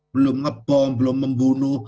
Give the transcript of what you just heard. belum ngebom belum membunuh